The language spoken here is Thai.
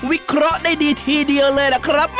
วิเคราะห์ได้ดีทีเดียวเลยล่ะครับ